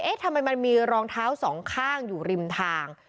ทำไมมันมีรองเท้าสองข้างอยู่ริมทาง